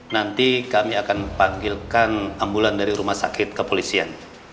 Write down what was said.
nanti kami akan panggilkan ambulan dari rumah sakit kepolisian